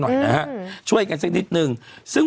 เป็นการกระตุ้นการไหลเวียนของเลือด